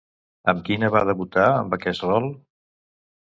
Amb quina va debutar amb aquest rol?